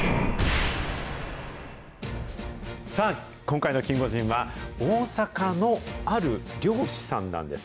さあ、今回のキンゴジンは、大阪のある漁師さんなんです。